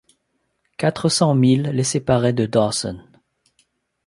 Quatre cents miles le séparaient de Dawson.